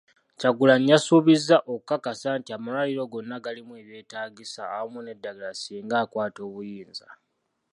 Kyagulanyi yasuubizza okukakasa nti amalwaliro gonna galimu ebyetaagisa awamu n'eddagala singa akwata obuyinza.